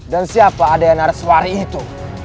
dan siapa adiana reswari itu